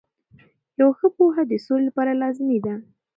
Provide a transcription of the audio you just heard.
یوه ښه پوهه د سولې لپاره لازمي ده.